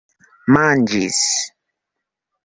manĝis